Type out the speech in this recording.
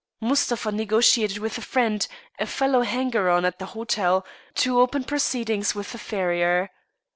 Mustapha negotiated with a friend, a fellow hanger on at the hotel, to open proceedings with the farrier.